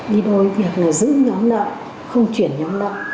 đi đôi việc là giữ nhóm nợ không chuyển nhóm nợ